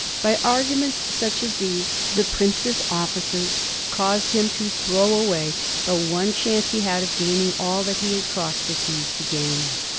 By arguments such as these the prince's officers caused him to throw away the one chance he had of gaining all that he had crossed the seas to gain.